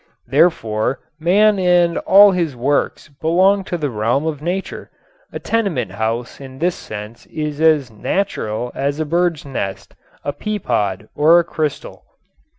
Therefore man and all his works belong to the realm of nature. A tenement house in this sense is as "natural" as a bird's nest, a peapod or a crystal.